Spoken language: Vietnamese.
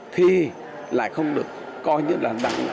thì lại không được coi như là đáng